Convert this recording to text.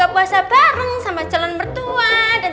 hai ibu pasti bersama calon mertua dan